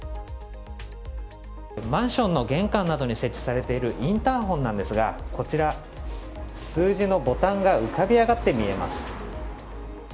マンションの玄関などに設置されているインターホンなんですが、数字のボタンが浮かび上がって見えます。